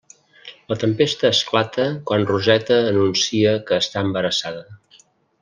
La tempesta esclata quan Roseta anuncia que està embarassada.